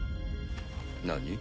何？